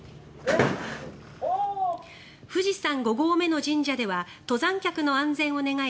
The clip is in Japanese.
富士山５合目の神社では登山客の安全を願い